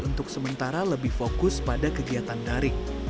untuk sementara lebih fokus pada kegiatan daring